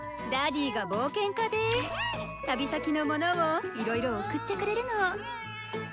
ダディが冒険家で旅先のものをいろいろ送ってくれるの。